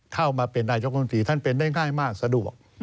เข้ามาเป็นนายกรรมตรีท่านเป็นได้ง่ายมากสะดวก